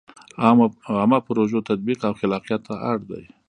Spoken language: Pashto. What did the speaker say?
عامه پروژو تطبیق او خلاقیت ته اړ دی.